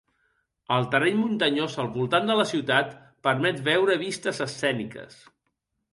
El terreny muntanyós al voltant de la ciutat permet veure vistes escèniques.